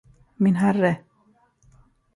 Min herre!